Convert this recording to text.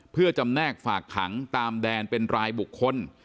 เพื่อจำแนกฝากขังตามแดนเป็นรายบุคคล